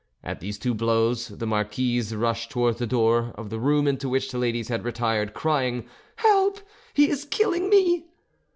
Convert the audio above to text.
At these two blows the marquise rushed towards the door, of the room into which the ladies had retired, crying, "Help! He is killing me!"